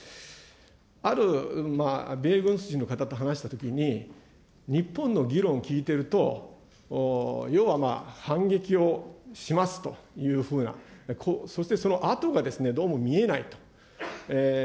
ある米軍筋の方と話したときに、日本の議論を聞いていると、要はまあ反撃をしますというふうな、そしてそのあとが、どうも見えないと。